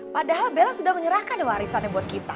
padahal bella sudah menyerahkan warisannya buat kita